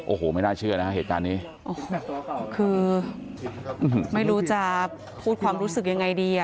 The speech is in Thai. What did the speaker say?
โอ้โหไม่น่าเชื่อนะฮะเหตุการณ์นี้โอ้โหคือไม่รู้จะพูดความรู้สึกยังไงดีอ่ะ